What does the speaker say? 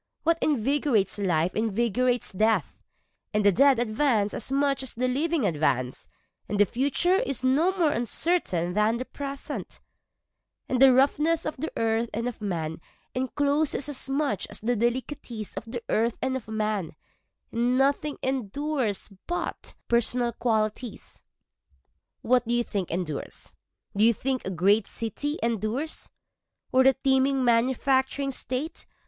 What invigorates life invigorates death, And the dead advance as much as the living advance, And the future is no more uncertain than the present, For the roughness of the earth and of man encloses as much as the delicatesse of the earth and of man, And nothing endures but personal qualities. What do you think endures? Do you think a great city endures? Or a teeming manufacturing state?